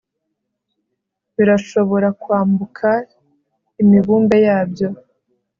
birashobora kwambuka imibumbe yabyo